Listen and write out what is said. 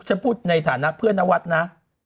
ฉันพูดในฐานะเพื่อนนวัดนะ